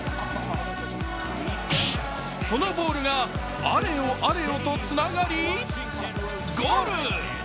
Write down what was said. そのボールが、あれよあれよとつながりゴール。